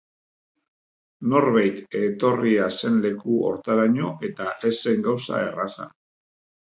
Norbeit etorria zen leku hontaraino eta ez zen gauza erraza.